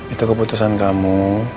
itu keputusan kamu